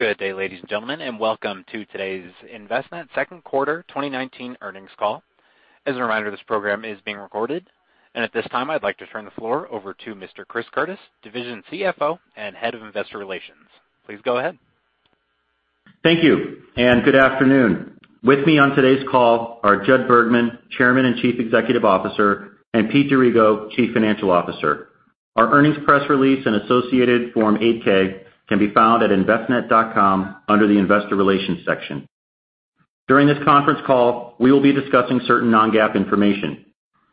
Good day, ladies and gentlemen, welcome to today's Envestnet second quarter 2019 earnings call. As a reminder, this program is being recorded. At this time, I'd like to turn the floor over to Mr. Chris Curtis, Division CFO and Head of Investor Relations. Please go ahead. Thank you, and good afternoon. With me on today's call are Judson Bergman, Chairman and Chief Executive Officer, and Pete D'Arrigo, Chief Financial Officer. Our earnings press release and associated Form 8-K can be found at envestnet.com under the investor relations section. During this conference call, we will be discussing certain non-GAAP information.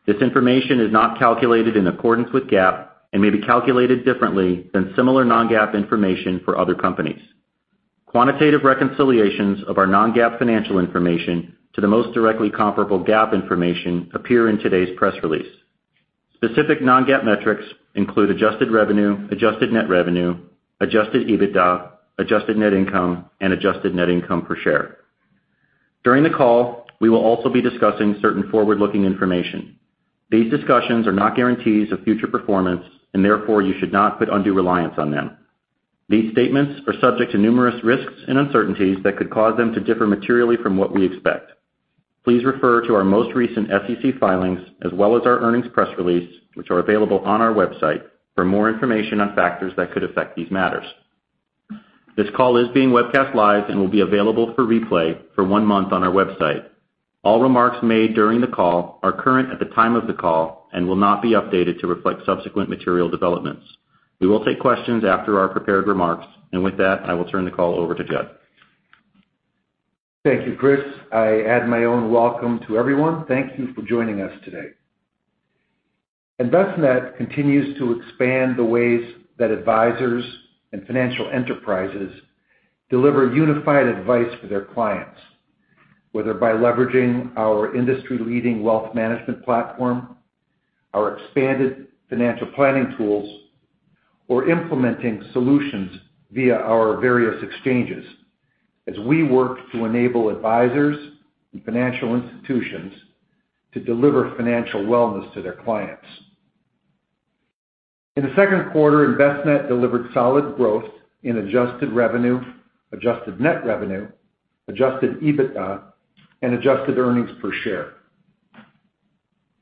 This information is not calculated in accordance with GAAP and may be calculated differently than similar non-GAAP information for other companies. Quantitative reconciliations of our non-GAAP financial information to the most directly comparable GAAP information appear in today's press release. Specific non-GAAP metrics include adjusted revenue, adjusted net revenue, adjusted EBITDA, adjusted net income, and adjusted net income per share. During the call, we will also be discussing certain forward-looking information. These discussions are not guarantees of future performance, and therefore, you should not put undue reliance on them. These statements are subject to numerous risks and uncertainties that could cause them to differ materially from what we expect. Please refer to our most recent SEC filings as well as our earnings press release, which are available on our website, for more information on factors that could affect these matters. This call is being webcast live and will be available for replay for one month on our website. All remarks made during the call are current at the time of the call and will not be updated to reflect subsequent material developments. We will take questions after our prepared remarks. With that, I will turn the call over to Jud. Thank you, Chris. I add my own welcome to everyone. Thank you for joining us today. Envestnet continues to expand the ways that advisors and financial enterprises deliver unified advice for their clients, whether by leveraging our industry-leading wealth management platform, our expanded financial planning tools, or implementing solutions via our various exchanges as we work to enable advisors and financial institutions to deliver financial wellness to their clients. In the second quarter, Envestnet delivered solid growth in adjusted revenue, adjusted net revenue, adjusted EBITDA, and adjusted earnings per share.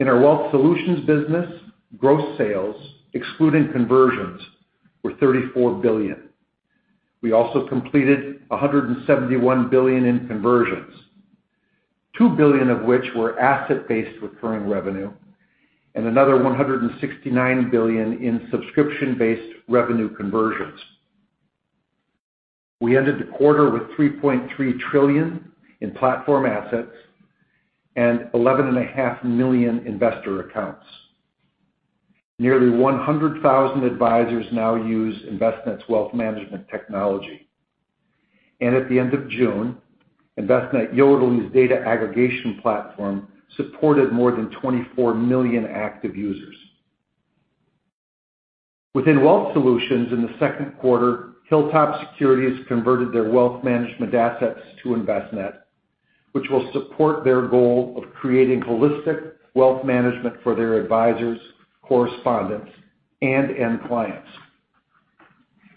In our wealth solutions business, gross sales, excluding conversions, were $34 billion. We also completed $171 billion in conversions, $2 billion of which were asset-based recurring revenue, and another $169 billion in subscription-based revenue conversions. We ended the quarter with $3.3 trillion in platform assets and 11.5 million investor accounts. Nearly 100,000 advisors now use Envestnet's wealth management technology. At the end of June, Envestnet | Yodlee's data aggregation platform supported more than 24 million active users. Within wealth solutions in the second quarter, HilltopSecurities converted their wealth management assets to Envestnet, which will support their goal of creating holistic wealth management for their advisors, correspondents, and end clients.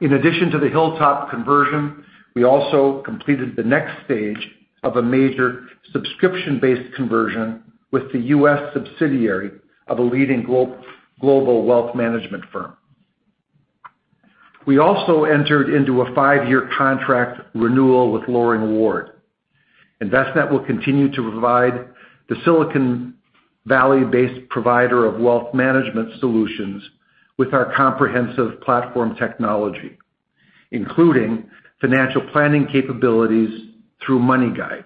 In addition to the Hilltop conversion, we also completed the next stage of a major subscription-based conversion with the U.S. subsidiary of a leading global wealth management firm. We also entered into a 5-year contract renewal with Loring Ward. Envestnet will continue to provide the Silicon Valley-based provider of wealth management solutions with our comprehensive platform technology, including financial planning capabilities through MoneyGuide.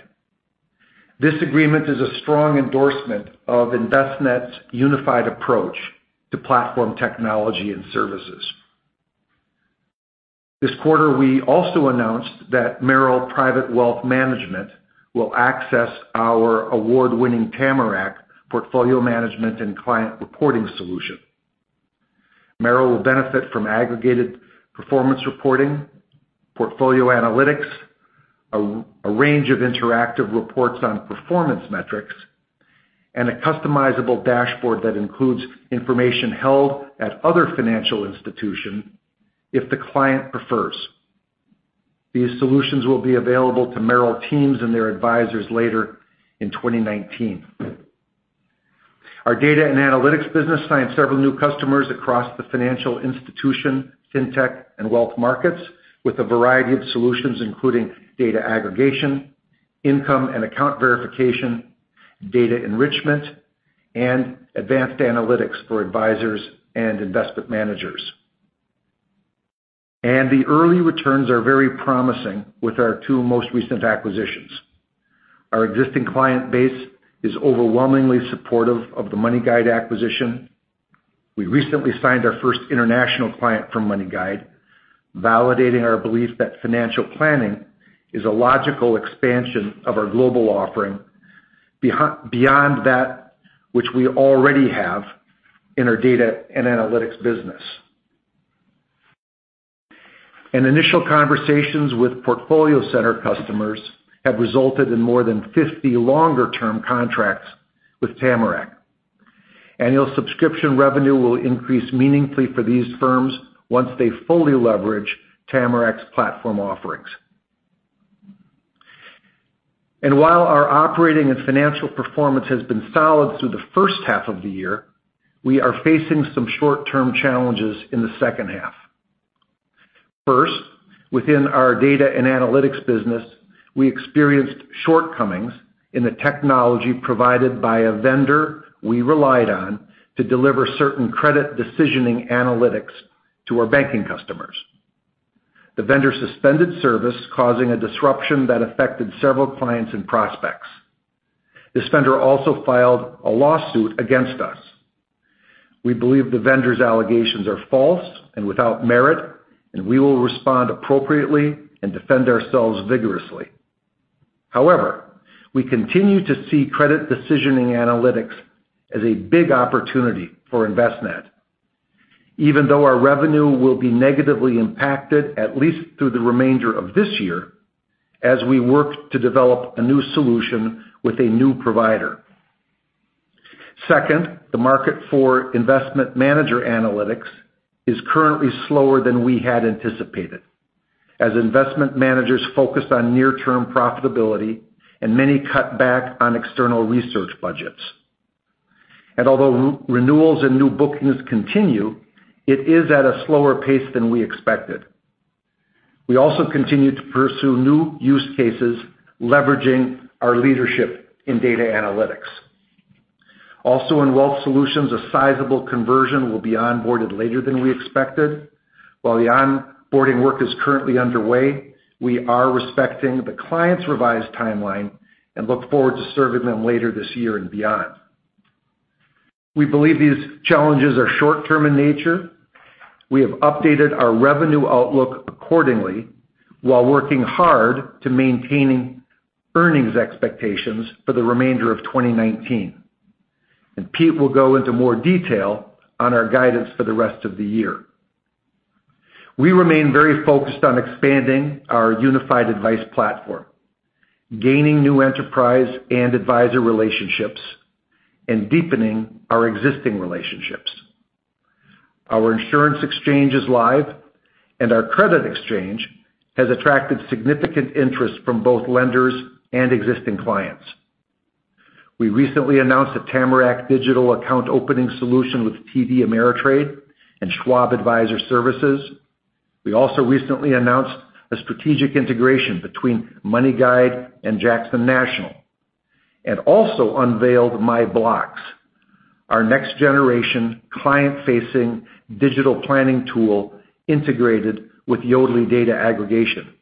This agreement is a strong endorsement of Envestnet's unified approach to platform technology and services. This quarter, we also announced that Merrill Private Wealth Management will access our award-winning Tamarac portfolio management and client reporting solution. Merrill will benefit from aggregated performance reporting, portfolio analytics, a range of interactive reports on performance metrics, and a customizable dashboard that includes information held at other financial institutions if the client prefers. These solutions will be available to Merrill teams and their advisors later in 2019. Our data and analytics business signed several new customers across the financial institution, fintech, and wealth markets with a variety of solutions, including data aggregation, income and account verification, data enrichment, and advanced analytics for advisors and investment managers. The early returns are very promising with our two most recent acquisitions. Our existing client base is overwhelmingly supportive of the MoneyGuide acquisition. We recently signed our first international client from MoneyGuide, validating our belief that financial planning is a logical expansion of our global offering beyond that which we already have in our data and analytics business. Initial conversations with PortfolioCenter customers have resulted in more than 50 longer-term contracts with Tamarac. Annual subscription revenue will increase meaningfully for these firms once they fully leverage Tamarac's platform offerings. While our operating and financial performance has been solid through the first half of the year, we are facing some short-term challenges in the second half. First, within our data and analytics business, we experienced shortcomings in the technology provided by a vendor we relied on to deliver certain credit decisioning analytics to our banking customers. The vendor suspended service, causing a disruption that affected several clients and prospects. This vendor also filed a lawsuit against us. We believe the vendor's allegations are false and without merit, and we will respond appropriately and defend ourselves vigorously. However, we continue to see credit decisioning analytics as a big opportunity for Envestnet, even though our revenue will be negatively impacted at least through the remainder of this year as we work to develop a new solution with a new provider. Second, the market for investment manager analytics is currently slower than we had anticipated, as investment managers focus on near-term profitability and many cut back on external research budgets. Although renewals and new bookings continue, it is at a slower pace than we expected. We also continue to pursue new use cases, leveraging our leadership in data analytics. In wealth solutions, a sizable conversion will be onboarded later than we expected. While the onboarding work is currently underway, we are respecting the client's revised timeline and look forward to serving them later this year and beyond. We believe these challenges are short-term in nature. We have updated our revenue outlook accordingly while working hard to maintaining earnings expectations for the remainder of 2019. Pete will go into more detail on our guidance for the rest of the year. We remain very focused on expanding our unified advice platform, gaining new enterprise and advisor relationships, and deepening our existing relationships. Our insurance exchange is live, and our credit exchange has attracted significant interest from both lenders and existing clients. We recently announced a Tamarac digital account opening solution with TD Ameritrade and Schwab Advisor Services. We also recently announced a strategic integration between MoneyGuide and Jackson National, and also unveiled MyBlocks, our next-generation client-facing digital planning tool integrated with Yodlee data aggregation.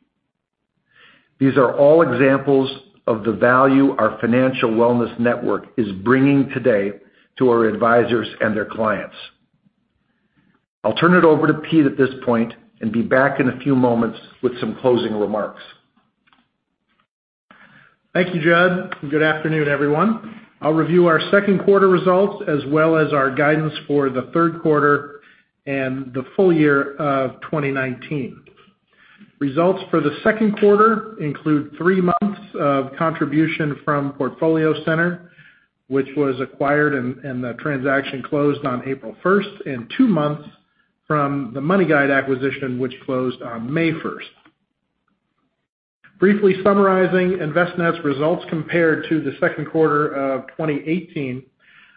These are all examples of the value our financial wellness network is bringing today to our advisors and their clients. I'll turn it over to Pete at this point and be back in a few moments with some closing remarks. Thank you, Jud, and good afternoon, everyone. I'll review our second quarter results as well as our guidance for the third quarter and the full year of 2019. Results for the second quarter include three months of contribution from PortfolioCenter, which was acquired, and the transaction closed on April 1st, and two months from the MoneyGuide acquisition, which closed on May 1st. Briefly summarizing Envestnet's results compared to the second quarter of 2018,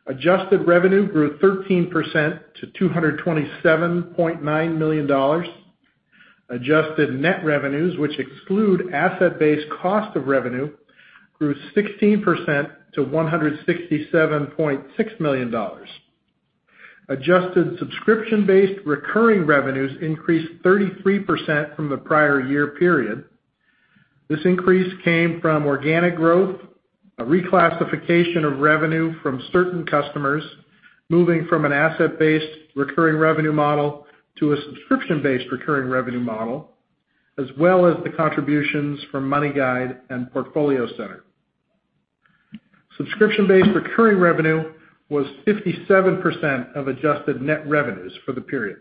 adjusted revenue grew 13% to $227.9 million. Adjusted net revenues, which exclude asset-based cost of revenue, grew 16% to $167.6 million. Adjusted subscription-based recurring revenues increased 33% from the prior year period. This increase came from organic growth, a reclassification of revenue from certain customers moving from an asset-based recurring revenue model to a subscription-based recurring revenue model, as well as the contributions from MoneyGuide and PortfolioCenter. Subscription-based recurring revenue was 57% of adjusted net revenues for the period.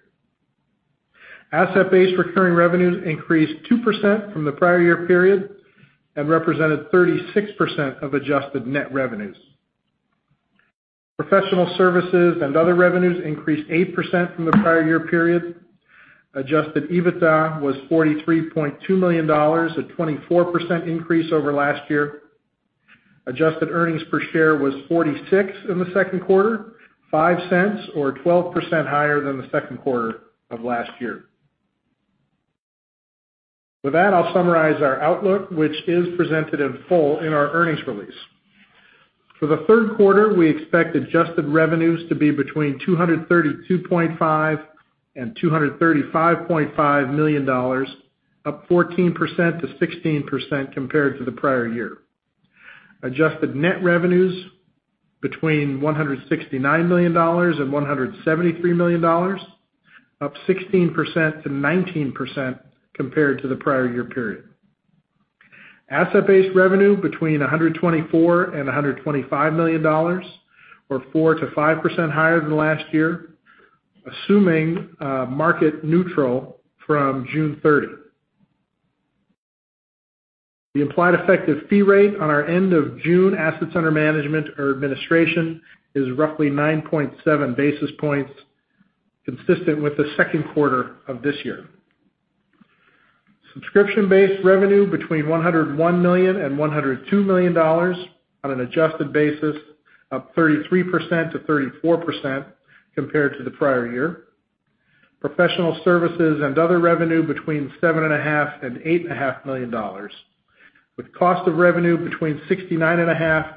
Asset-based recurring revenues increased 2% from the prior year period and represented 36% of adjusted net revenues. Professional services and other revenues increased 8% from the prior year period. Adjusted EBITDA was $43.2 million, a 24% increase over last year. Adjusted earnings per share was $0.46 in the second quarter, $0.05 or 12% higher than the second quarter of last year. With that, I'll summarize our outlook, which is presented in full in our earnings release. For the third quarter, we expect adjusted revenues to be between $232.5 million-$235.5 million, up 14%-16% compared to the prior year. Adjusted net revenues between $169 million-$173 million, up 16%-19% compared to the prior year period. Asset-based revenue between $124 and $125 million, or 4%-5% higher than last year, assuming market neutral from June 30. The implied effective fee rate on our end of June asset center management or administration is roughly 9.7 basis points, consistent with the second quarter of this year. Subscription-based revenue between $101 million and $102 million on an adjusted basis, up 33%-34% compared to the prior year. Professional services and other revenue between seven and a half and eight and a half million dollars, with cost of revenue between 69 and a half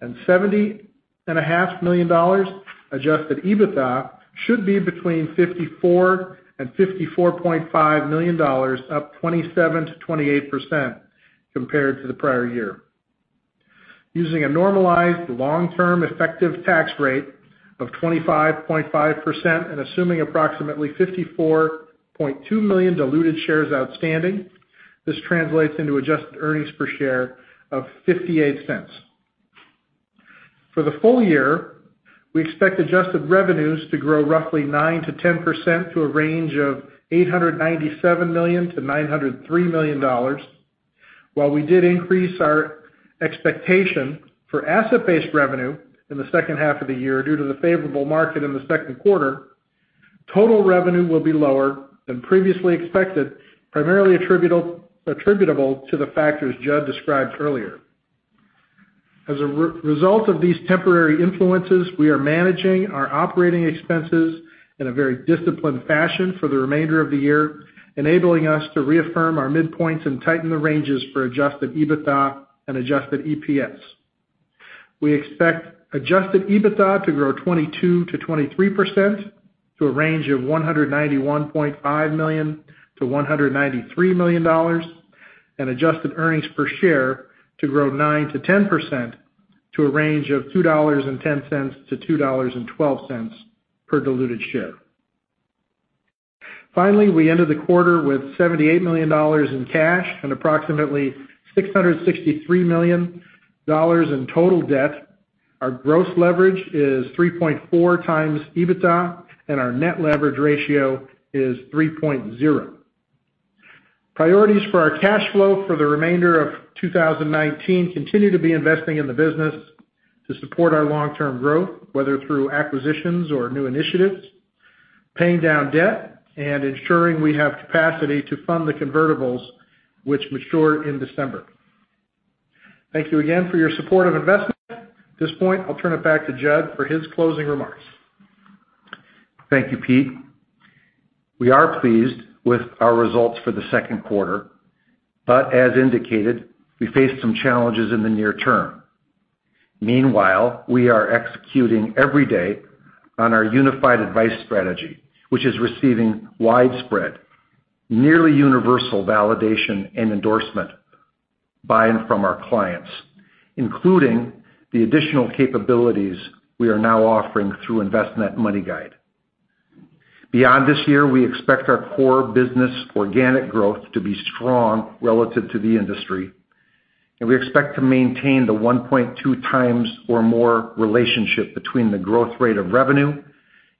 and 70 and a half million dollars. Adjusted EBITDA should be between $54 and $54.5 million, up 27%-28% compared to the prior year. Using a normalized long-term effective tax rate of 25.5% and assuming approximately 54.2 million diluted shares outstanding, this translates into adjusted earnings per share of $0.58. For the full year, we expect adjusted revenue to grow roughly 9%-10% to a range of $897 million-$903 million. While we did increase our expectation for asset-based revenue in the second half of the year due to the favorable market in the second quarter, total revenue will be lower than previously expected, primarily attributable to the factors Jud described earlier. As a result of these temporary influences, we are managing our operating expenses in a very disciplined fashion for the remainder of the year, enabling us to reaffirm our midpoints and tighten the ranges for adjusted EBITDA and adjusted EPS. We expect adjusted EBITDA to grow 22%-23% to a range of $191.5 million-$193 million, and adjusted net income per share to grow 9%-10% to a range of $2.10-$2.12 per diluted share. Finally, we ended the quarter with $78 million in cash and approximately $663 million in total debt. Our gross leverage is 3.4 times EBITDA, and our net leverage ratio is 3.0. Priorities for our cash flow for the remainder of 2019 continue to be investing in the business to support our long-term growth, whether through acquisitions or new initiatives, paying down debt, and ensuring we have capacity to fund the convertibles which mature in December. Thank you again for your support of Envestnet. At this point, I'll turn it back to Jud for his closing remarks. Thank you, Pete. As indicated, we face some challenges in the near term. Meanwhile, we are executing every day on our unified advice strategy, which is receiving widespread, nearly universal validation and endorsement by and from our clients, including the additional capabilities we are now offering through Envestnet | MoneyGuide. Beyond this year, we expect our core business organic growth to be strong relative to the industry, and we expect to maintain the 1.2 times or more relationship between the growth rate of revenue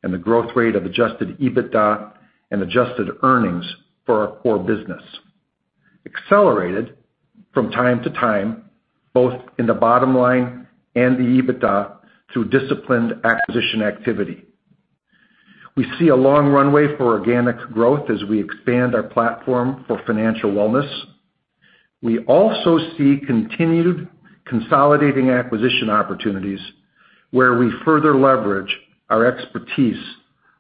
and the growth rate of adjusted EBITDA and adjusted earnings for our core business, accelerated from time to time, both in the bottom line and the EBITDA, through disciplined acquisition activity. We see a long runway for organic growth as we expand our platform for financial wellness. We also see continued consolidating acquisition opportunities where we further leverage our expertise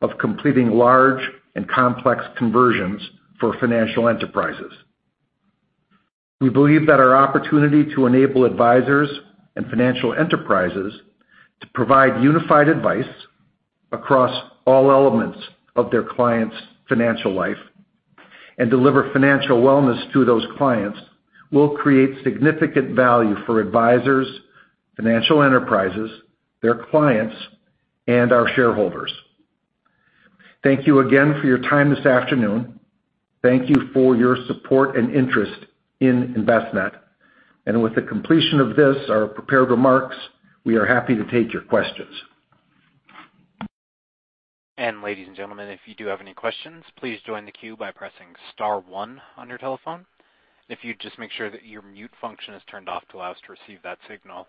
of completing large and complex conversions for financial enterprises. We believe that our opportunity to enable advisors and financial enterprises to provide unified advice across all elements of their clients' financial life and deliver financial wellness to those clients will create significant value for advisors, financial enterprises, their clients, and our shareholders. Thank you again for your time this afternoon. Thank you for your support and interest in Envestnet. With the completion of this, our prepared remarks, we are happy to take your questions. Ladies and gentlemen, if you do have any questions, please join the queue by pressing star one on your telephone. If you'd just make sure that your mute function is turned off to allow us to receive that signal.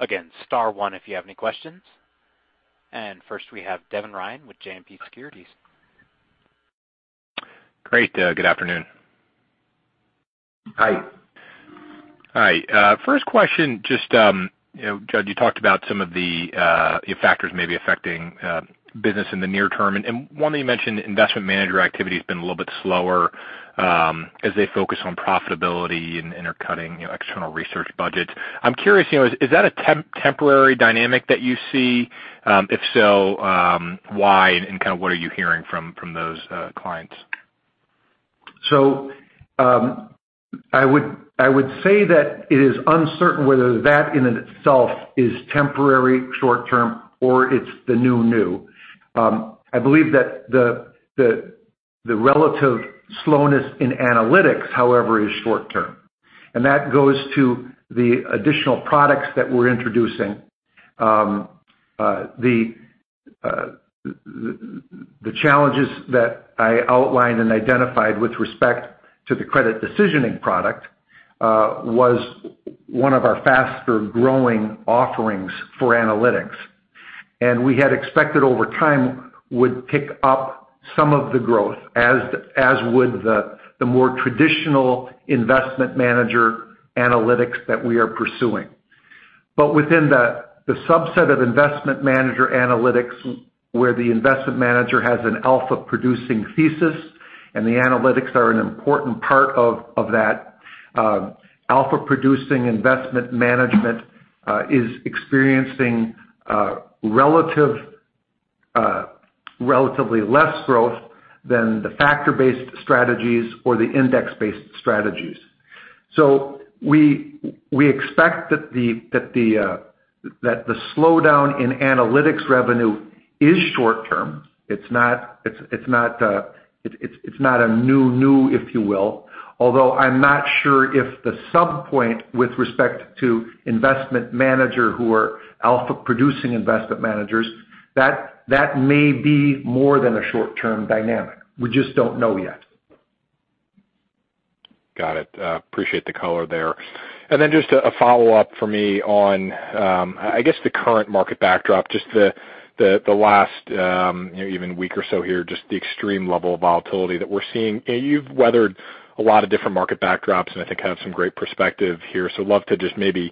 Again, star one if you have any questions. First, we have Devin Ryan with JMP Securities. Great. Good afternoon. Hi. Hi. First question, Jud, you talked about some of the factors may be affecting business in the near term, and one that you mentioned, investment manager activity has been a little bit slower as they focus on profitability and are cutting external research budgets. I'm curious, is that a temporary dynamic that you see? If so, why? What are you hearing from those clients? I would say that it is uncertain whether that in itself is temporary, short-term, or it's the new new. I believe that the relative slowness in analytics, however, is short-term. That goes to the additional products that we're introducing. The challenges that I outlined and identified with respect to the credit decisioning product, was one of our faster-growing offerings for analytics, and we had expected over time would pick up some of the growth, as would the more traditional investment manager analytics that we are pursuing. Within the subset of investment manager analytics, where the investment manager has an alpha-producing thesis and the analytics are an important part of that, alpha-producing investment management is experiencing relatively less growth than the factor-based strategies or the index-based strategies. We expect that the slowdown in analytics revenue is short-term. It's not a new, if you will. Although I'm not sure if the sub-point with respect to investment manager who are alpha-producing investment managers, that may be more than a short-term dynamic. We just don't know yet. Got it. Appreciate the color there. Just a follow-up from me on, I guess, the current market backdrop, just the last even week or so here, just the extreme level of volatility that we're seeing. You've weathered a lot of different market backdrops, and I think have some great perspective here. Love to just maybe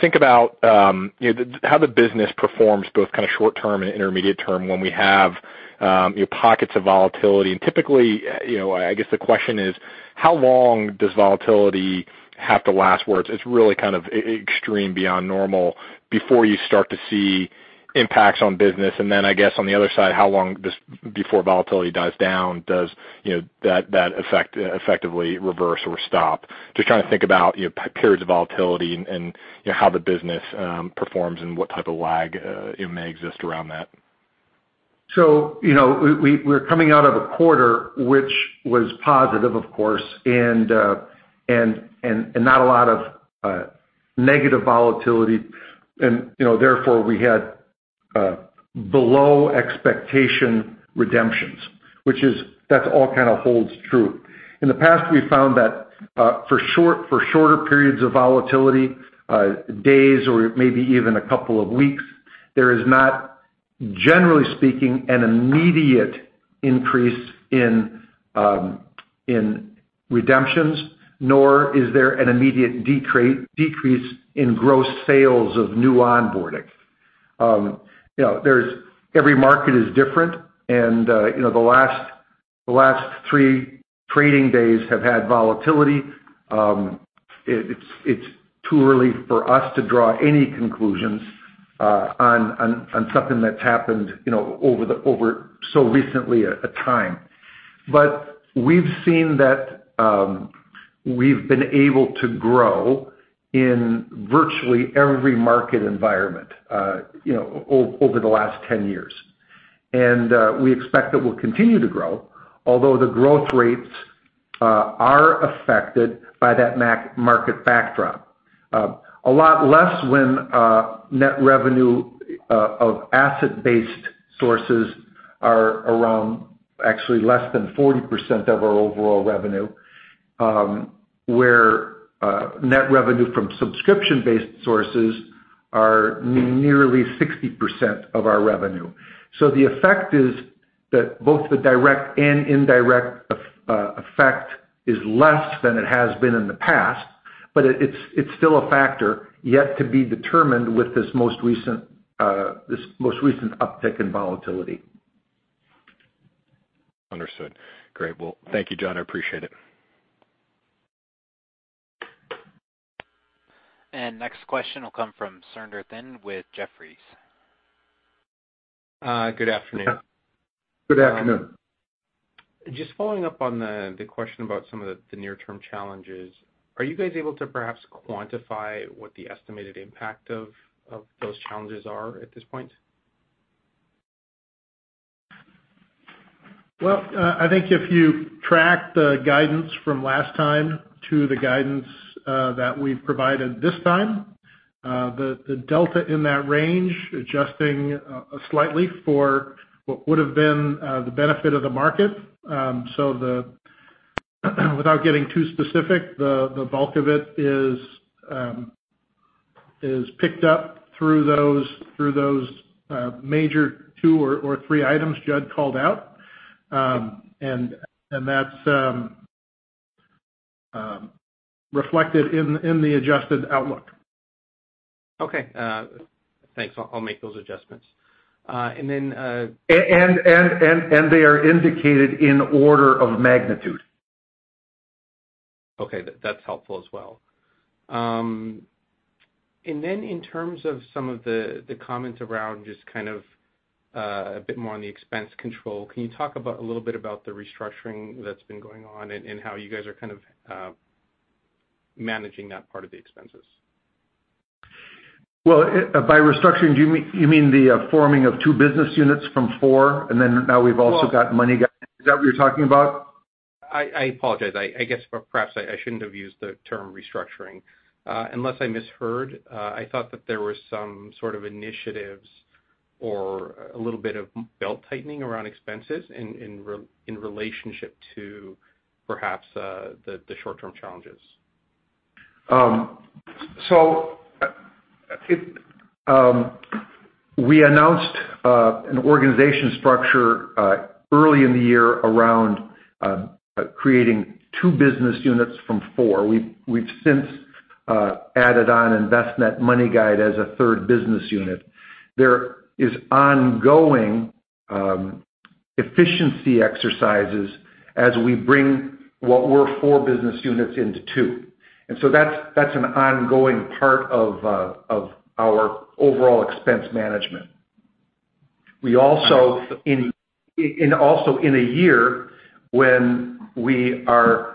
think about how the business performs, both short-term and intermediate term, when we have pockets of volatility. Typically, I guess the question is, how long does volatility have to last, where it's really kind of extreme beyond normal, before you start to see impacts on business? I guess on the other side, how long before volatility dies down, does that effectively reverse or stop? Just trying to think about periods of volatility and how the business performs and what type of lag may exist around that. We're coming out of a quarter which was positive, of course, and not a lot of negative volatility. Therefore, we had below-expectation redemptions. Which that all kind of holds true. In the past, we've found that for shorter periods of volatility, days or maybe even a couple of weeks, there is not, generally speaking, an immediate increase in redemptions, nor is there an immediate decrease in gross sales of new onboarding. Every market is different and the last three trading days have had volatility. It's too early for us to draw any conclusions on something that's happened over so recently a time. We've seen that we've been able to grow in virtually every market environment over the last 10 years. We expect that we'll continue to grow, although the growth rates are affected by that market backdrop. A lot less when net revenue of asset-based sources are around actually less than 40% of our overall revenue, where net revenue from subscription-based sources are nearly 60% of our revenue. The effect is that both the direct and indirect effect is less than it has been in the past, but it's still a factor yet to be determined with this most recent uptick in volatility. Understood. Great. Well, thank you, Jud. I appreciate it. Next question will come from Surinder Thind with Jefferies. Good afternoon. Good afternoon. Just following up on the question about some of the near-term challenges. Are you guys able to perhaps quantify what the estimated impact of those challenges are at this point? I think if you track the guidance from last time to the guidance that we've provided this time, the delta in that range, adjusting slightly for what would've been the benefit of the market. Without getting too specific, the bulk of it is picked up through those major two or three items Jud called out. That's reflected in the adjusted outlook. Okay. Thanks. I'll make those adjustments. They are indicated in order of magnitude. Okay. That's helpful as well. In terms of some of the comments around just kind of a bit more on the expense control, can you talk a little bit about the restructuring that's been going on, and how you guys are kind of managing that part of the expenses? Well, by restructuring, do you mean the forming of two business units from four, and then now we've also got MoneyGuide? Is that what you're talking about? I apologize. I guess perhaps I shouldn't have used the term restructuring. Unless I misheard, I thought that there were some sort of initiatives or a little bit of belt-tightening around expenses in relationship to perhaps the short-term challenges. We announced an organization structure early in the year around creating two business units from four. We've since added on Envestnet | MoneyGuide as a third business unit. There is ongoing efficiency exercises as we bring what were four business units into two. That's an ongoing part of our overall expense management. Also in a year when we are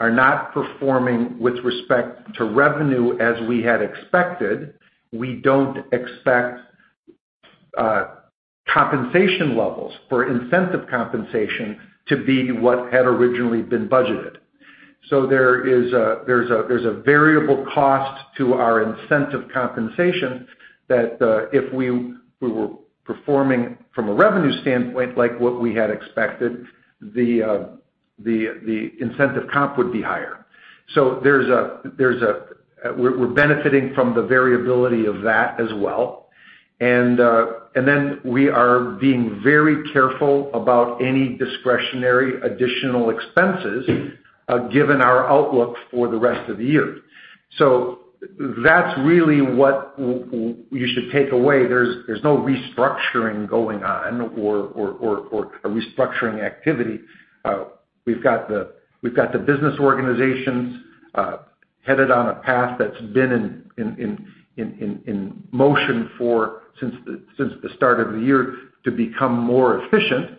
not performing with respect to revenue as we had expected, we don't expect compensation levels for incentive compensation to be what had originally been budgeted. There's a variable cost to our incentive compensation that if we were performing from a revenue standpoint like what we had expected, the incentive comp would be higher. We're benefiting from the variability of that as well. We are being very careful about any discretionary additional expenses, given our outlook for the rest of the year. That's really what you should take away. There's no restructuring going on or a restructuring activity. We've got the business organizations headed on a path that's been in motion since the start of the year to become more efficient.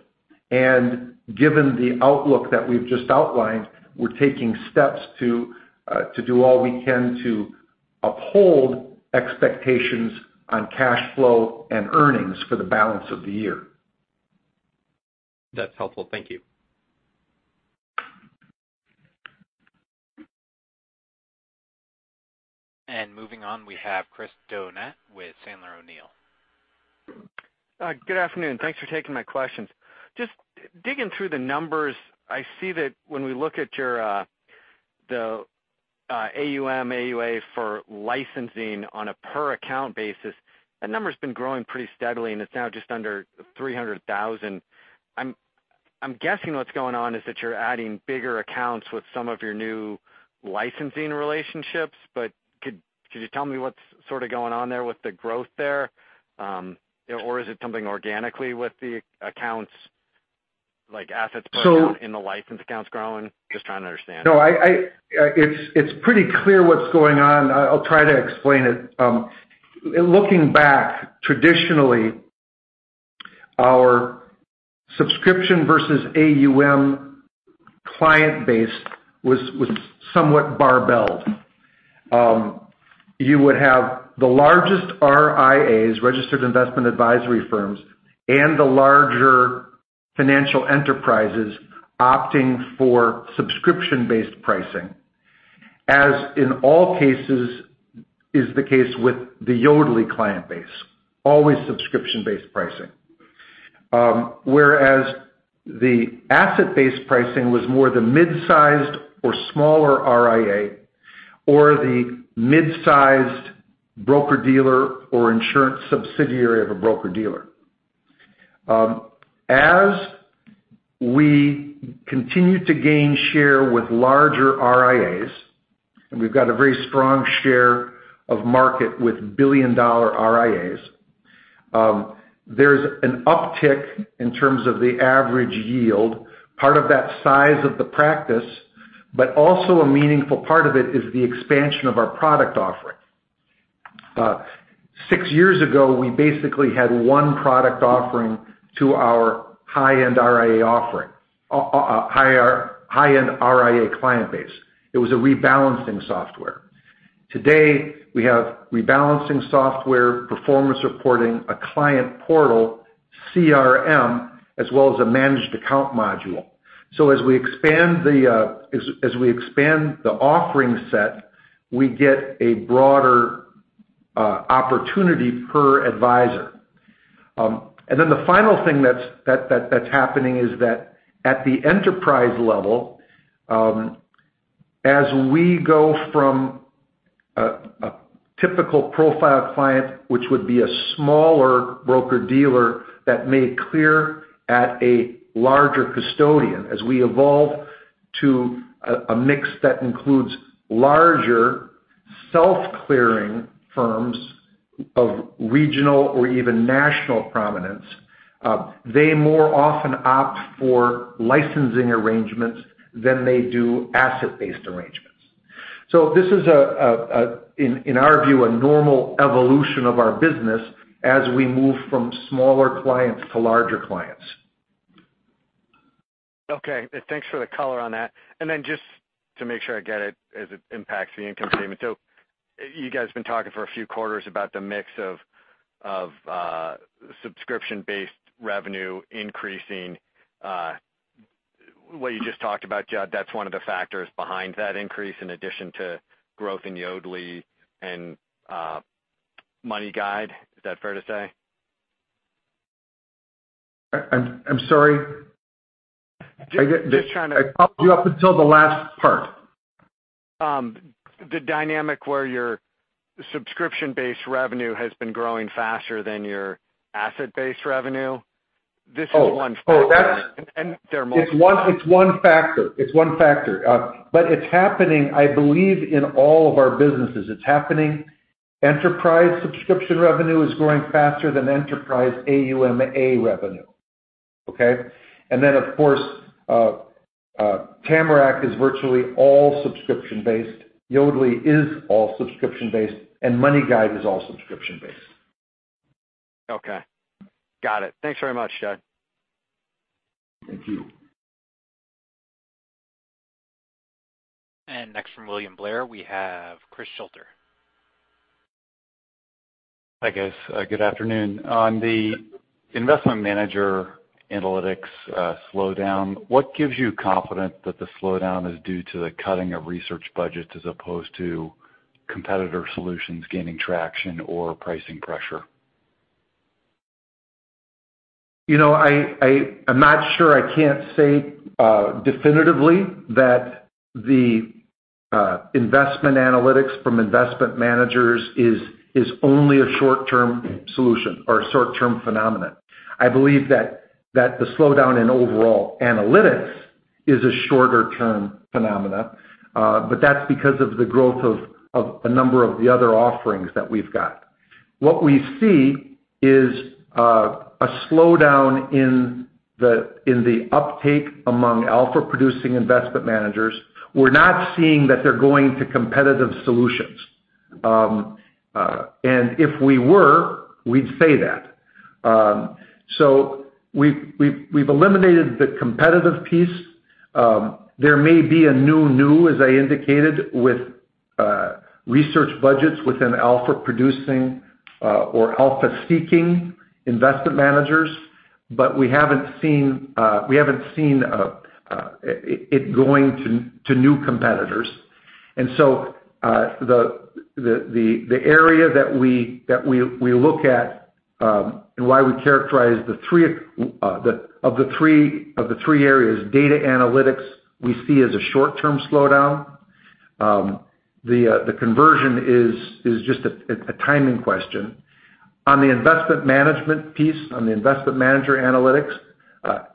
Given the outlook that we've just outlined, we're taking steps to do all we can to uphold expectations on cash flow and earnings for the balance of the year. That's helpful. Thank you. Moving on, we have Chris Donat with Sandler O'Neill. Good afternoon. Thanks for taking my questions. Just digging through the numbers, I see that when we look at the AUM, AUA for licensing on a per account basis, that number's been growing pretty steadily, and it's now just under 300,000. I'm guessing what's going on is that you're adding bigger accounts with some of your new licensing relationships. Could you tell me what's sort of going on there with the growth there? Is it something organically with the accounts, like assets per account in the licensed accounts growing? Just trying to understand. No, it's pretty clear what's going on. I'll try to explain it. Looking back, traditionally, our subscription versus AUM client base was somewhat barbelled. You would have the largest RIAs, registered investment advisory firms, and the larger financial enterprises opting for subscription-based pricing, as in all cases is the case with the Yodlee client base, always subscription-based pricing. Whereas the asset-based pricing was more the mid-sized or smaller RIA or the mid-sized broker-dealer or insurance subsidiary of a broker-dealer. As we continue to gain share with larger RIAs, and we've got a very strong share of market with billion-dollar RIAs, there's an uptick in terms of the average yield, part of that size of the practice, but also a meaningful part of it is the expansion of our product offering. Six years ago, we basically had one product offering to our high-end RIA client base. It was a rebalancing software. Today, we have rebalancing software, performance reporting, a client portal, CRM, as well as a managed account module. As we expand the offering set, we get a broader opportunity per advisor. The final thing that's happening is that at the enterprise level, as we go from a typical profile client, which would be a smaller broker-dealer that cleared at a larger custodian, as we evolve to a mix that includes larger self-clearing firms of regional or even national prominence, they more often opt for licensing arrangements than they do asset-based arrangements. This is, in our view, a normal evolution of our business as we move from smaller clients to larger clients. Okay. Thanks for the color on that. Then just to make sure I get it as it impacts the income statement. You guys have been talking for a few quarters about the mix of subscription-based revenue increasing. What you just talked about, Jud, that's one of the factors behind that increase, in addition to growth in Yodlee and MoneyGuide. Is that fair to say? I'm sorry. Just trying to- I followed you up until the last part. The dynamic where your subscription-based revenue has been growing faster than your asset-based revenue. This is one factor. Oh. There are multiple- It's one factor. It's happening, I believe, in all of our businesses. It's happening Enterprise subscription revenue is growing faster than enterprise AUMA revenue. Okay. Of course, Tamarac is virtually all subscription-based, Yodlee is all subscription-based, and MoneyGuide is all subscription-based. Okay. Got it. Thanks very much, Jud. Thank you. Next from William Blair, we have Chris Shutler. Hi, guys. Good afternoon. On the investment manager analytics slowdown, what gives you confidence that the slowdown is due to the cutting of research budgets as opposed to competitor solutions gaining traction or pricing pressure? I'm not sure. I can't say definitively that the investment analytics from investment managers is only a short-term solution or a short-term phenomenon. I believe that the slowdown in overall analytics is a shorter-term phenomenon, but that's because of the growth of a number of the other offerings that we've got. What we see is a slowdown in the uptake among alpha-producing investment managers. We're not seeing that they're going to competitive solutions. If we were, we'd say that. We've eliminated the competitive piece. There may be a new-new, as I indicated, with research budgets within alpha-producing or alpha-seeking investment managers, but we haven't seen it going to new competitors. The area that we look at, and why we characterize of the three areas, data analytics we see as a short-term slowdown. The conversion is just a timing question. On the investment management piece, on the investment manager analytics,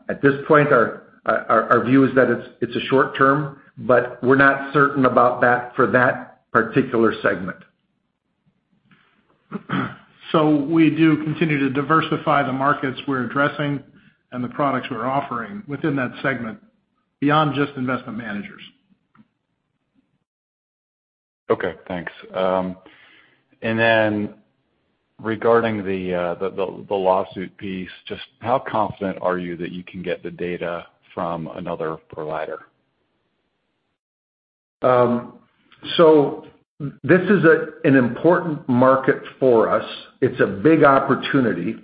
at this point, our view is that it's a short-term, but we're not certain about that for that particular segment. We do continue to diversify the markets we're addressing and the products we're offering within that segment beyond just investment managers. Okay, thanks. Then regarding the lawsuit piece, just how confident are you that you can get the data from another provider? This is an important market for us. It's a big opportunity,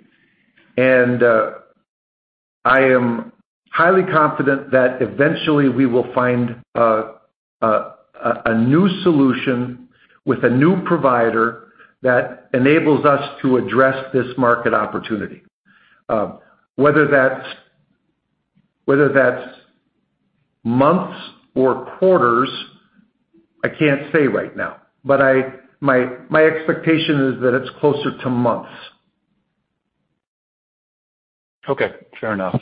and I am highly confident that eventually we will find a new solution with a new provider that enables us to address this market opportunity. Whether that's months or quarters, I can't say right now. My expectation is that it's closer to months. Okay, fair enough.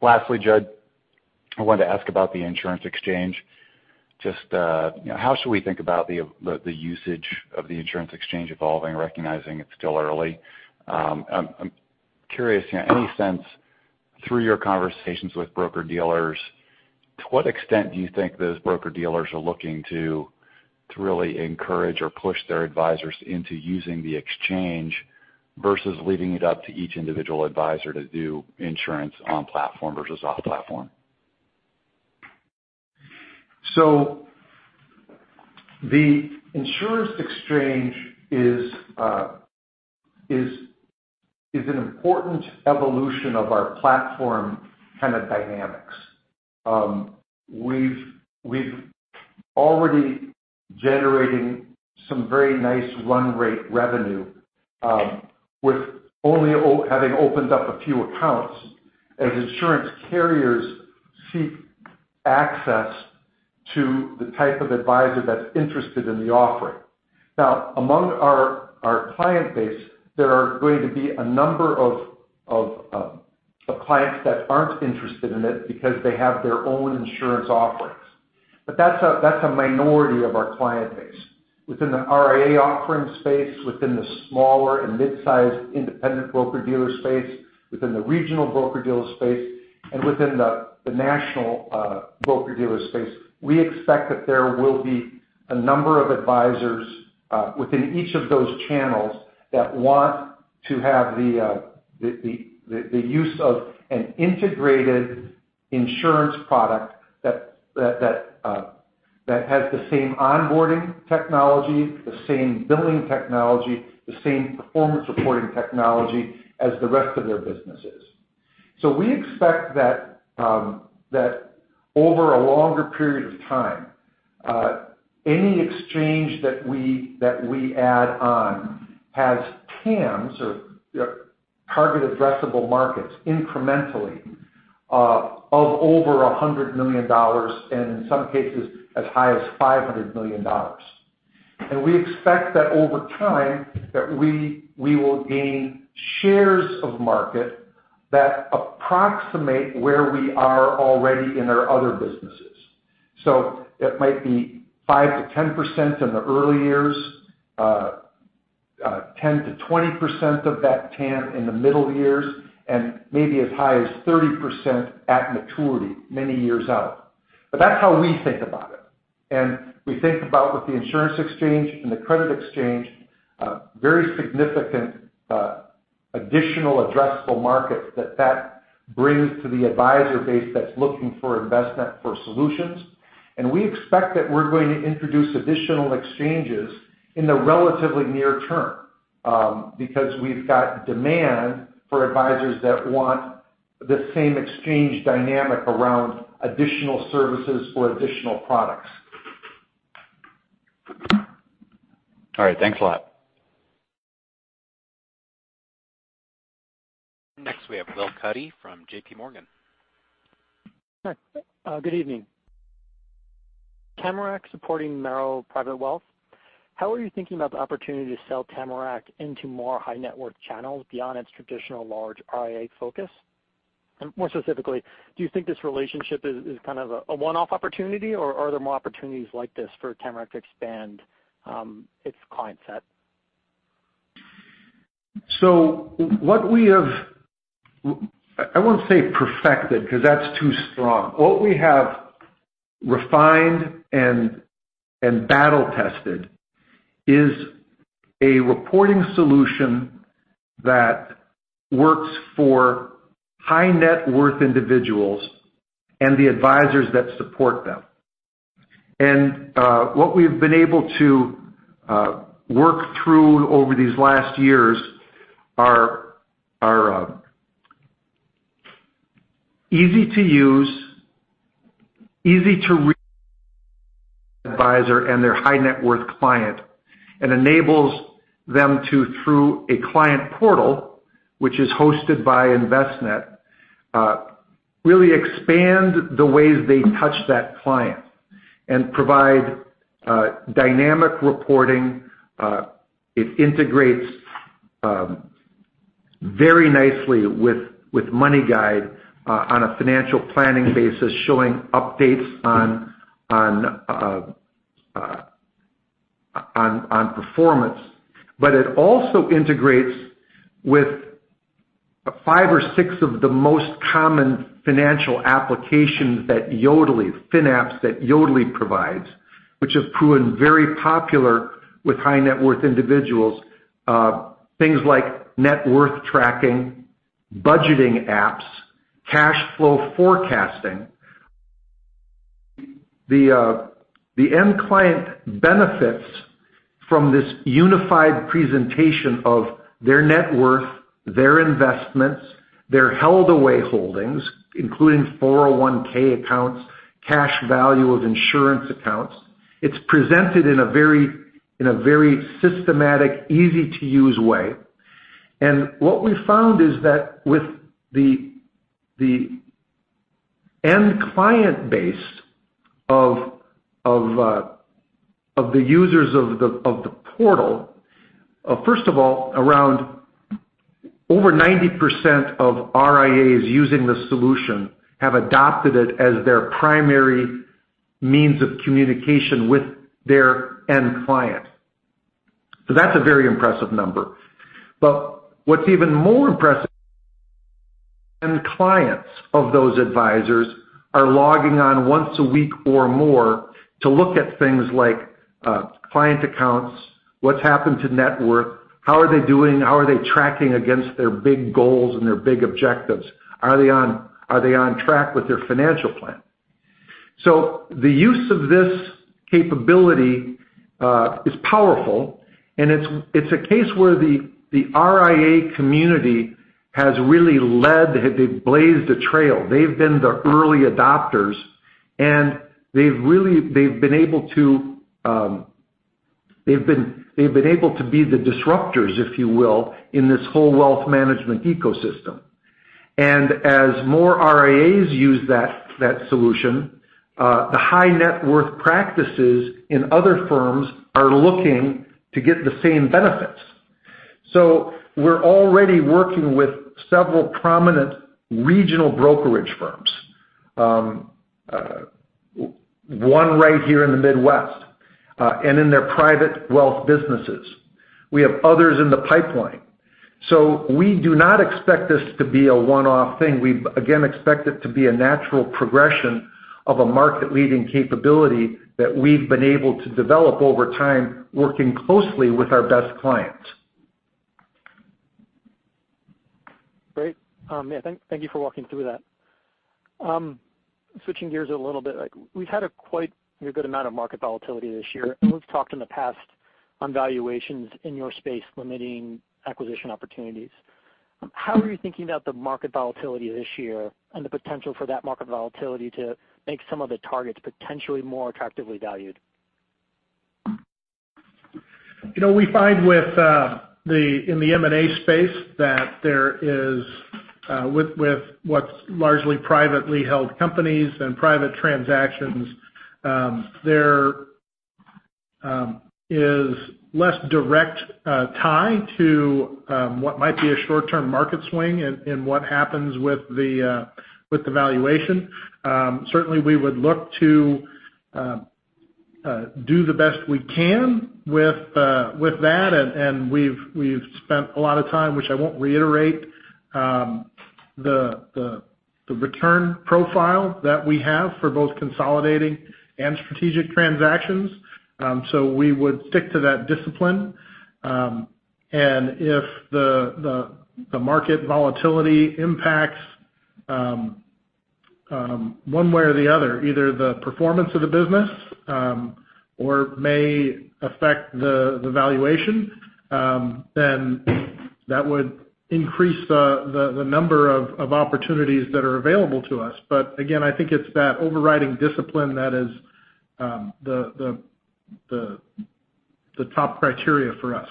Lastly, Jud, I wanted to ask about the insurance exchange. How should we think about the usage of the insurance exchange evolving, recognizing it's still early? I'm curious, any sense, through your conversations with broker-dealers, to what extent do you think those broker-dealers are looking to really encourage or push their advisors into using the exchange versus leaving it up to each individual advisor to do insurance on-platform versus off-platform? The insurance exchange is an important evolution of our platform dynamics. We've already generating some very nice run rate revenue, with only having opened up a few accounts as insurance carriers seek access to the type of advisor that's interested in the offering. Now, among our client base, there are going to be a number of clients that aren't interested in it because they have their own insurance offerings. That's a minority of our client base. Within the RIA offering space, within the smaller and mid-size independent broker-dealer space, within the regional broker-dealer space, and within the national broker-dealer space, we expect that there will be a number of advisors within each of those channels that want to have the use of an integrated insurance product that has the same onboarding technology, the same billing technology, the same performance reporting technology as the rest of their businesses. We expect that over a longer period of time, any exchange that we add on has TAMs, or target addressable markets, incrementally of over $100 million, and in some cases as high as $500 million. We expect that over time, that we will gain shares of market that approximate where we are already in our other businesses. It might be 5%-10% in the early years, 10%-20% of that TAM in the middle years, and maybe as high as 30% at maturity many years out. That's how we think about it. We think about with the insurance exchange and the credit exchange, very significant additional addressable markets that that brings to the advisor base that's looking for Envestnet for solutions. We expect that we're going to introduce additional exchanges in the relatively near term, because we've got demand for advisors that want the same exchange dynamic around additional services or additional products. All right. Thanks a lot. Next, we have Will Cuddy from JPMorgan. Hi. Good evening. Tamarac supporting Merrill Private Wealth, how are you thinking about the opportunity to sell Tamarac into more high net worth channels beyond its traditional large RIA focus? More specifically, do you think this relationship is kind of a one-off opportunity, or are there more opportunities like this for Tamarac to expand its client set? What we have I won't say perfected, because that's too strong. What we have refined and battle tested is a reporting solution that works for high net worth individuals and the advisors that support them. What we've been able to work through over these last years are easy to use, easy to read advisor and their high net worth client, and enables them to, through a client portal, which is hosted by Envestnet, really expand the ways they touch that client and provide dynamic reporting. It integrates very nicely with MoneyGuide on a financial planning basis, showing updates on performance. It also integrates with five or six of the most common financial applications, fin apps that Yodlee provides, which have proven very popular with high net worth individuals. Things like net worth tracking, budgeting apps, cash flow forecasting. The end client benefits from this unified presentation of their net worth, their investments, their held away holdings, including 401 accounts, cash value of insurance accounts. It's presented in a very systematic, easy-to-use way. What we've found is that with the end client base of the users of the portal, first of all, around over 90% of RIAs using this solution have adopted it as their primary means of communication with their end client. That's a very impressive number. What's even more impressive, end clients of those advisors are logging on once a week or more to look at things like client accounts, what's happened to net worth, how are they doing, how are they tracking against their big goals and their big objectives? Are they on track with their financial plan? The use of this capability is powerful, and it's a case where the RIA community has really led. They've blazed a trail. They've been the early adopters, and they've been able to be the disruptors, if you will, in this whole wealth management ecosystem. As more RIAs use that solution, the high net worth practices in other firms are looking to get the same benefits. We're already working with several prominent regional brokerage firms. One right here in the Midwest, and in their private wealth businesses. We have others in the pipeline. We do not expect this to be a one-off thing. We, again, expect it to be a natural progression of a market-leading capability that we've been able to develop over time, working closely with our best clients. Great. Yeah, thank you for walking through that. Switching gears a little bit, we've had a quite good amount of market volatility this year. We've talked in the past on valuations in your space limiting acquisition opportunities. How are you thinking about the market volatility this year and the potential for that market volatility to make some of the targets potentially more attractively valued? We find in the M&A space that there is, with what's largely privately held companies and private transactions, there is less direct tie to what might be a short-term market swing in what happens with the valuation. Certainly, we would look to do the best we can with that, and we've spent a lot of time, which I won't reiterate, the return profile that we have for both consolidating and strategic transactions. We would stick to that discipline. If the market volatility impacts one way or the other, either the performance of the business or may affect the valuation, then that would increase the number of opportunities that are available to us. Again, I think it's that overriding discipline that is the top criteria for us.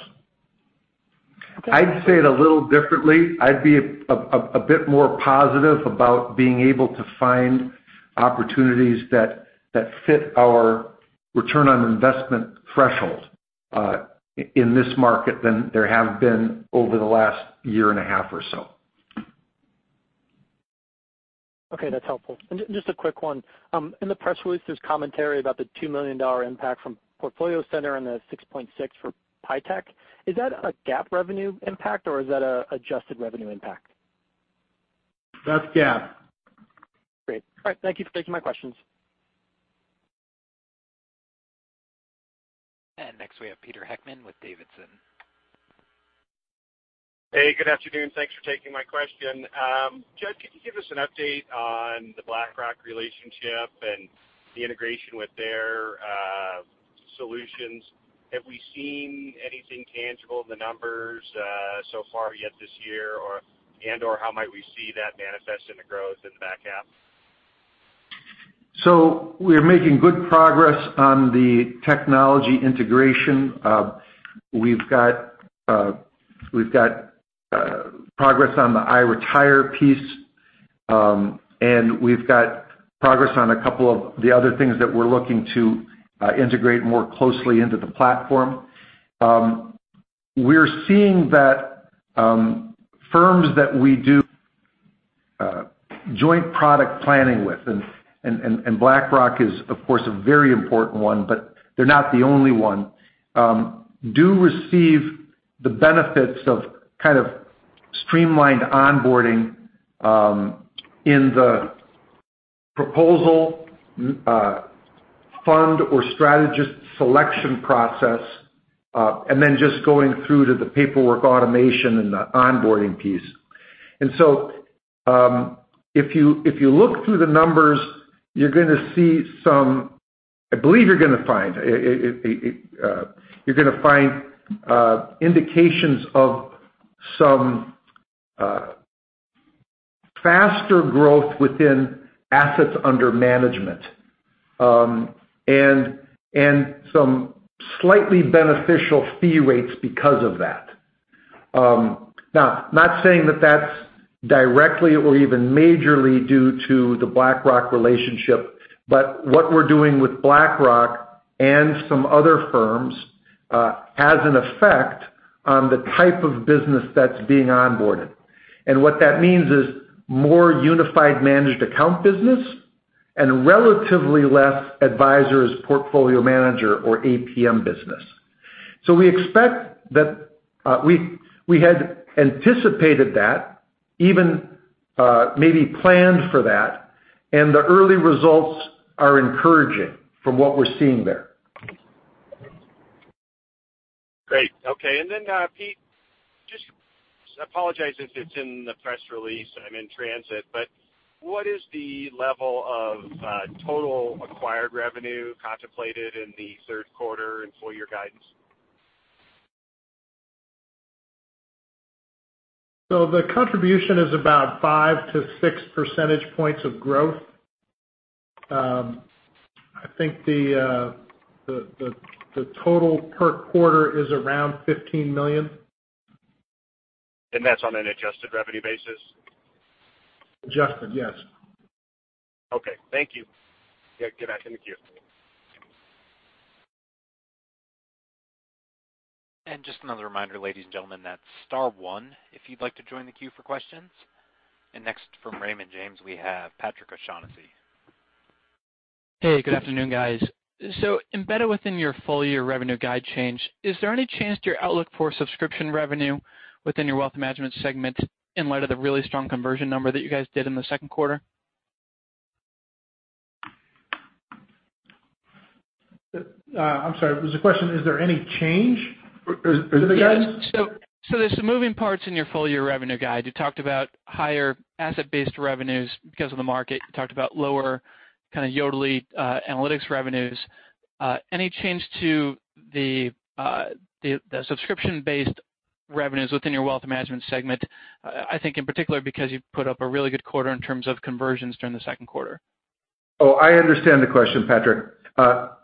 I'd say it a little differently. I'd be a bit more positive about being able to find opportunities that fit our return on investment threshold in this market than there have been over the last year and a half or so. Okay. That's helpful. Just a quick one. In the press release, there's commentary about the $2 million impact from PortfolioCenter and the $6.6 for PIEtech. Is that a GAAP revenue impact or is that an adjusted revenue impact? That's GAAP. Great. All right. Thank you for taking my questions. Next we have Peter Heckmann with Davidson. Hey, good afternoon. Thanks for taking my question. Jud, could you give us an update on the BlackRock relationship and the integration with their solutions? Have we seen anything tangible in the numbers so far yet this year, and/or how might we see that manifest in the growth in the back half? We're making good progress on the technology integration. We've got progress on the iRetire piece. We've got progress on a couple of the other things that we're looking to integrate more closely into the platform. We're seeing that firms that we do joint product planning with, and BlackRock is of course a very important one, but they're not the only one, do receive the benefits of streamlined onboarding in the proposal fund or strategist selection process, and then just going through to the paperwork automation and the onboarding piece. If you look through the numbers, I believe you're going to find indications of some faster growth within assets under management, and some slightly beneficial fee rates because of that. Not saying that that's directly or even majorly due to the BlackRock relationship, but what we're doing with BlackRock and some other firms has an effect on the type of business that's being onboarded. What that means is more unified managed account business and relatively less advisors portfolio manager or APM business. We had anticipated that, even maybe planned for that, and the early results are encouraging from what we're seeing there. Great. Okay. Then Pete, I apologize if it's in the press release, I'm in transit, what is the level of total acquired revenue contemplated in the third quarter and full-year guidance? The contribution is about five to six percentage points of growth. I think the total per quarter is around $15 million. That's on an adjusted revenue basis? Adjusted, yes. Okay. Thank you. Get back in the queue. Just another reminder, ladies and gentlemen, that's star one if you'd like to join the queue for questions. Next from Raymond James, we have Patrick O'Shaughnessy. Hey, good afternoon, guys. Embedded within your full-year revenue guide change, is there any change to your outlook for subscription revenue within your wealth management segment in light of the really strong conversion number that you guys did in the second quarter? I'm sorry, was the question, is there any change to the guidance? Yes. There's some moving parts in your full-year revenue guide. You talked about higher asset-based revenues because of the market. You talked about lower kind of Yodlee analytics revenues. Any change to the subscription-based revenues within your wealth management segment? I think in particular because you've put up a really good quarter in terms of conversions during the second quarter. I understand the question, Patrick.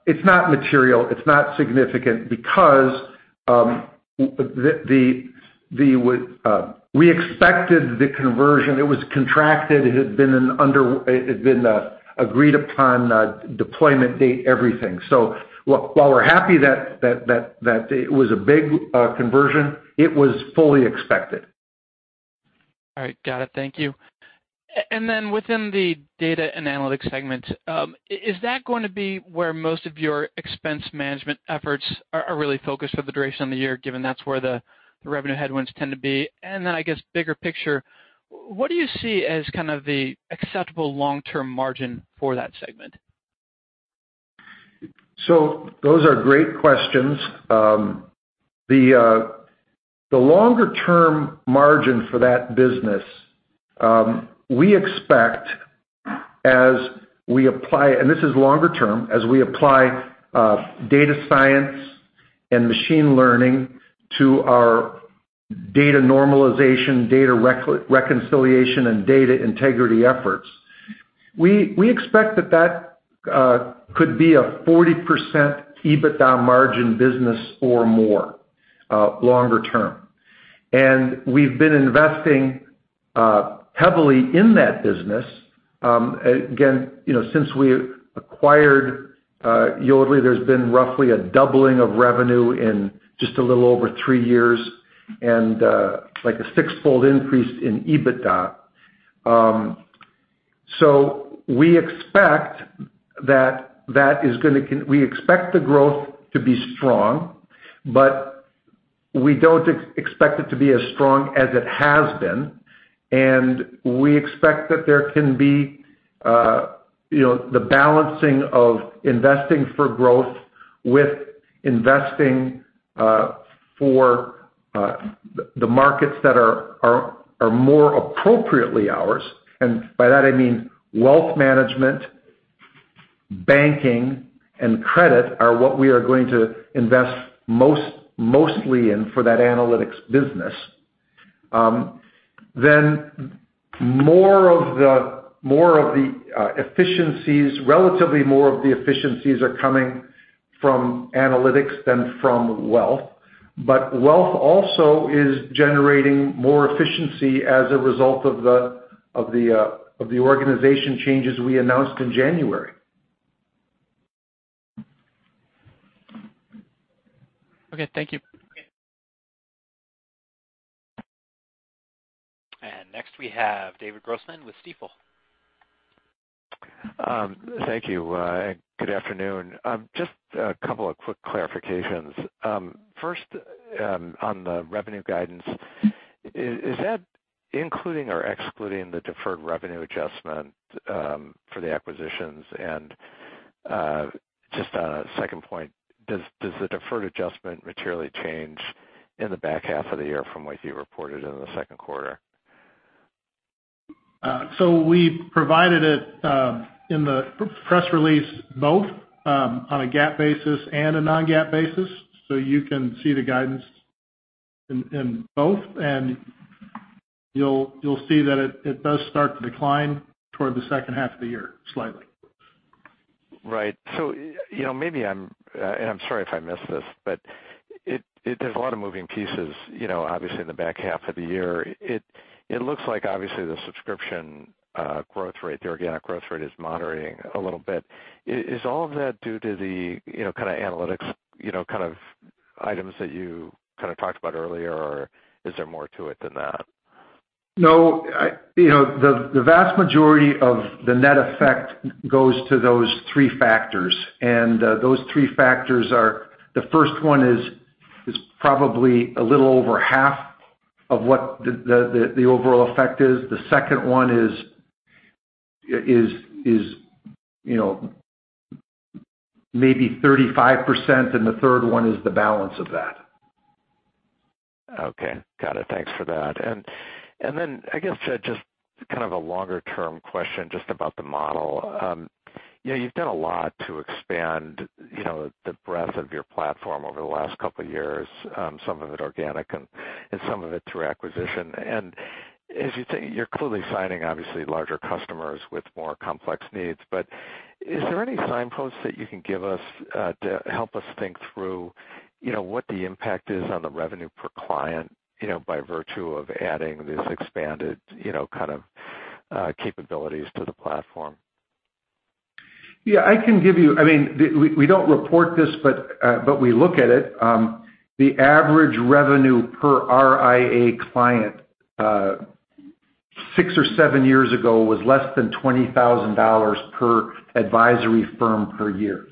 It's not material. It's not significant because we expected the conversion. It was contracted. It had been an agreed-upon deployment date, everything. While we're happy that it was a big conversion, it was fully expected. All right. Got it. Thank you. Then within the data and analytics segment, is that going to be where most of your expense management efforts are really focused for the duration of the year, given that's where the revenue headwinds tend to be? Then, I guess, bigger picture, what do you see as kind of the acceptable long-term margin for that segment? Those are great questions. The longer-term margin for that business, we expect as we apply, and this is longer term, as we apply data science and machine learning to our data normalization, data reconciliation, and data integrity efforts. We expect that that could be a 40% EBITDA margin business or more, longer term. We've been investing heavily in that business. Again, since we acquired Yodlee, there's been roughly a doubling of revenue in just a little over three years and like a sixfold increase in EBITDA. We expect the growth to be strong, but we don't expect it to be as strong as it has been, and we expect that there can be the balancing of investing for growth with investing for the markets that are more appropriately ours, and by that I mean wealth management, banking, and credit are what we are going to invest mostly in for that analytics business. Relatively more of the efficiencies are coming from analytics than from wealth. Wealth also is generating more efficiency as a result of the organization changes we announced in January. Okay, thank you. Next we have David Grossman with Stifel. Thank you, and good afternoon. Just a couple of quick clarifications. First, on the revenue guidance, is that including or excluding the deferred revenue adjustment for the acquisitions? Just on a second point, does the deferred adjustment materially change in the back half of the year from what you reported in the second quarter? We provided it in the press release both on a GAAP basis and a non-GAAP basis, so you can see the guidance in both. You'll see that it does start to decline toward the second half of the year, slightly. Right. Maybe, and I'm sorry if I missed this, but there's a lot of moving pieces, obviously in the back half of the year. It looks like obviously the subscription growth rate, the organic growth rate is moderating a little bit. Is all of that due to the kind of analytics kind of items that you kind of talked about earlier, or is there more to it than that? No. The vast majority of the net effect goes to those three factors, and those three factors are. The first one is probably a little over half of what the overall effect is. The second one is maybe 35%, and the third one is the balance of that. Okay. Got it. Thanks for that. I guess just kind of a longer-term question just about the model. You've done a lot to expand the breadth of your platform over the last couple of years, some of it organic and some of it through acquisition. As you think, you're clearly signing obviously larger customers with more complex needs, but is there any signpost that you can give us to help us think through what the impact is on the revenue per client, by virtue of adding these expanded kind of capabilities to the platform? Yeah. We don't report this, but we look at it. The average revenue per RIA client six or seven years ago was less than $20,000 per advisory firm per year.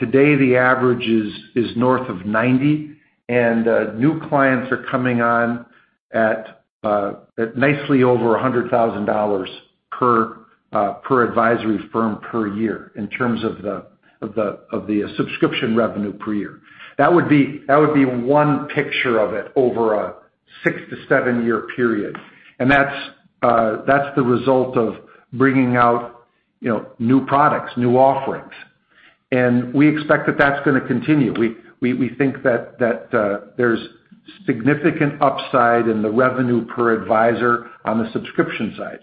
Today, the average is north of $90,000, and new clients are coming on at nicely over $100,000 per advisory firm per year in terms of the subscription revenue per year. That would be one picture of it over a six to seven-year period, and that's the result of bringing out new products, new offerings. We expect that that's going to continue. We think that there's significant upside in the revenue per advisor on the subscription side.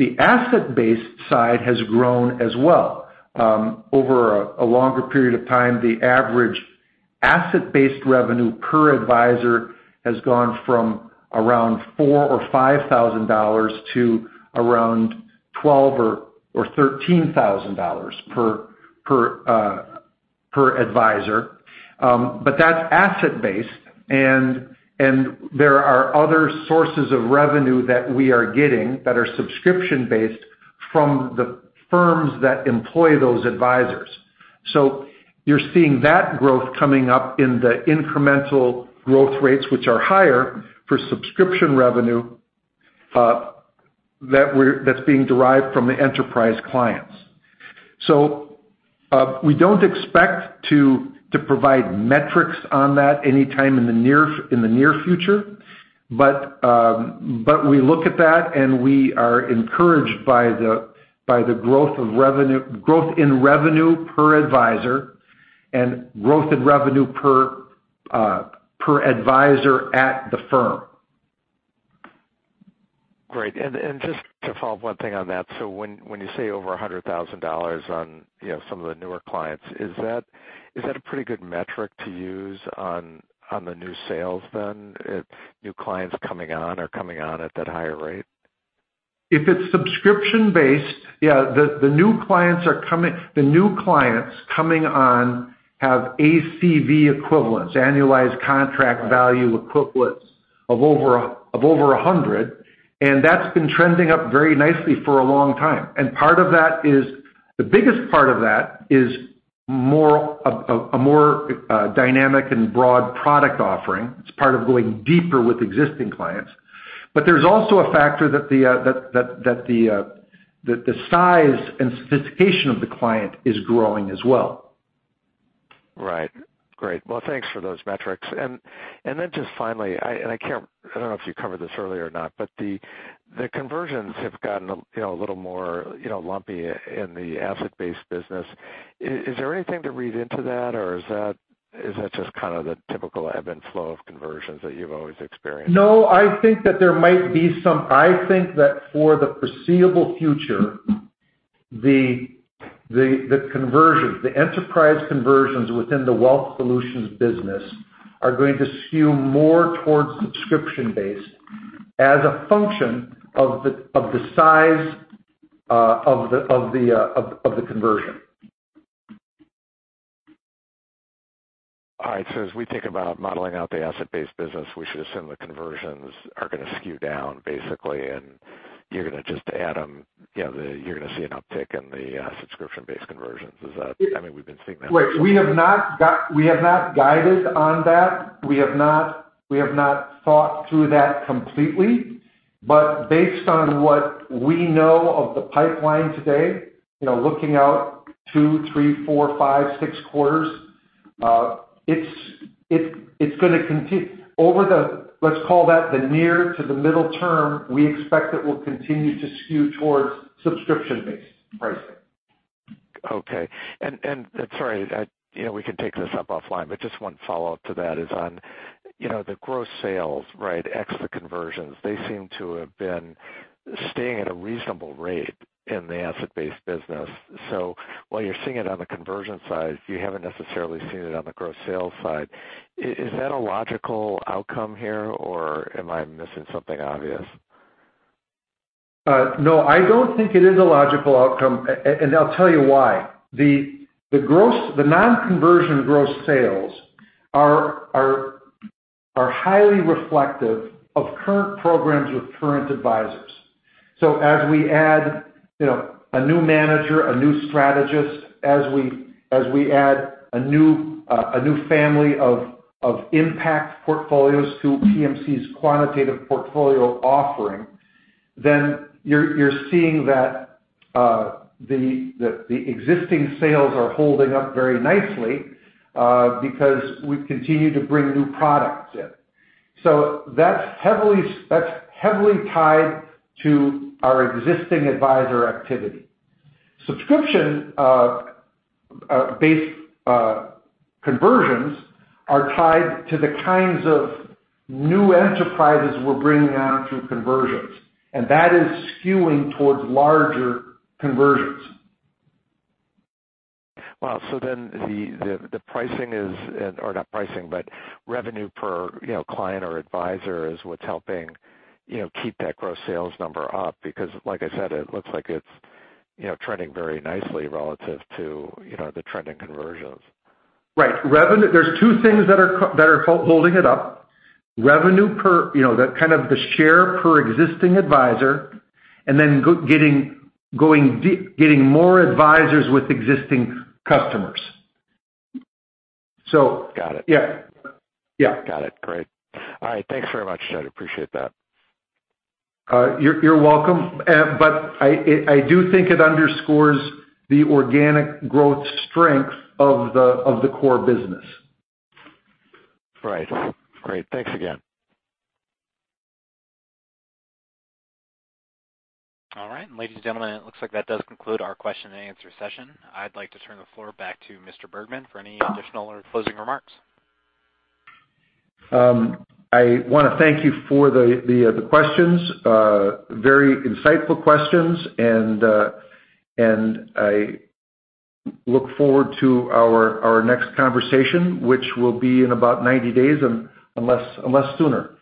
The asset-based side has grown as well. Over a longer period of time, the average asset-based revenue per advisor has gone from around $4,000 or $5,000 to around $12,000 or $13,000 per advisor. That's asset-based, and there are other sources of revenue that we are getting that are subscription-based from the firms that employ those advisors. You're seeing that growth coming up in the incremental growth rates, which are higher for subscription revenue, that's being derived from the enterprise clients. We don't expect to provide metrics on that anytime in the near future. We look at that, and we are encouraged by the growth in revenue per advisor and growth in revenue per advisor at the firm. Great. Just to follow up one thing on that, so when you say over $100,000 on some of the newer clients, is that a pretty good metric to use on the new sales then, if new clients coming on are coming on at that higher rate? If it's subscription-based, yeah. The new clients coming on have ACV equivalents, annualized contract value equivalents of over 100, that's been trending up very nicely for a long time. The biggest part of that is a more dynamic and broad product offering. It's part of going deeper with existing clients. There's also a factor that the size and sophistication of the client is growing as well. Right. Great. Well, thanks for those metrics. Just finally, and I don't know if you covered this earlier or not, but the conversions have gotten a little more lumpy in the asset-based business. Is there anything to read into that, or is that just kind of the typical ebb and flow of conversions that you've always experienced? No, I think that for the foreseeable future, the enterprise conversions within the wealth solutions business are going to skew more towards subscription-based as a function of the size of the conversion. All right. As we think about modeling out the asset-based business, we should assume the conversions are going to skew down, basically, and you're going to just add them. You're going to see an uptick in the subscription-based conversions. We've been seeing that. We have not guided on that. We have not thought through that completely. Based on what we know of the pipeline today, looking out two, three, four, five, six quarters, let's call that the near to the middle term, we expect it will continue to skew towards subscription-based pricing. Okay. Sorry, we can take this up offline, but just one follow-up to that is on the gross sales, right? X the conversions. They seem to have been staying at a reasonable rate in the asset-based business. While you're seeing it on the conversion side, you haven't necessarily seen it on the gross sales side. Is that a logical outcome here, or am I missing something obvious? No, I don't think it is a logical outcome, and I'll tell you why. The non-conversion gross sales are highly reflective of current programs with current advisors. As we add a new manager, a new strategist, as we add a new family of impact portfolios to PMC's quantitative portfolio offering, then you're seeing that the existing sales are holding up very nicely because we continue to bring new products in. That's heavily tied to our existing advisor activity. Subscription-based conversions are tied to the kinds of new enterprises we're bringing on through conversions, and that is skewing towards larger conversions. Wow. The revenue per client or advisor is what's helping keep that gross sales number up because, like I said, it looks like it's trending very nicely relative to the trending conversions. Right. There's two things that are holding it up. Revenue per the share per existing advisor, and then getting more advisors with existing customers. Got it. Yeah. Got it. Great. All right. Thanks very much, Jud. Appreciate that. You're welcome. I do think it underscores the organic growth strength of the core business. Right. Great. Thanks again. All right, ladies and gentlemen, it looks like that does conclude our question and answer session. I'd like to turn the floor back to Mr. Bergman for any additional or closing remarks. I want to thank you for the questions. Very insightful questions, and I look forward to our next conversation, which will be in about 90 days, unless sooner.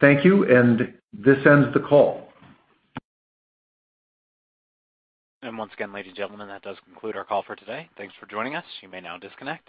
Thank you, and this ends the call. Once again, ladies and gentlemen, that does conclude our call for today. Thanks for joining us. You may now disconnect.